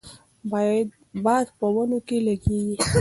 باد په ونو کې لګیږي.